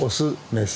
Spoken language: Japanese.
メス？